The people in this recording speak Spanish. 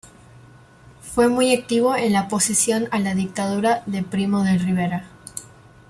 Fue muy activo en la oposición a la dictadura de Primo de Rivera.